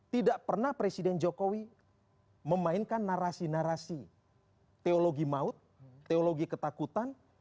tidak pernah presiden jokowi memainkan narasi narasi teologi maut teologi ketakutan